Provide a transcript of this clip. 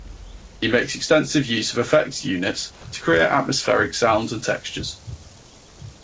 He makes extensive use of effects units to create atmospheric sounds and textures.